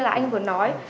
như là anh vừa nói